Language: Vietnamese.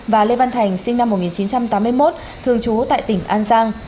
và lê văn thành sinh năm một nghìn chín trăm tám mươi một thường trú tại tỉnh an giang